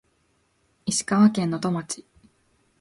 石川県能登町